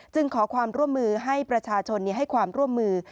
ขอความร่วมมือให้ประชาชนให้ความร่วมมือ